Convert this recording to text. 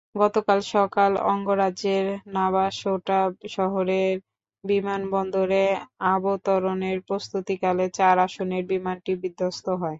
গতকাল সকালে অঙ্গরাজ্যের নাভাসোটা শহরের বিমানবন্দরে অবতরণের প্রস্তুতিকালে চার আসনের বিমানটি বিধ্বস্ত হয়।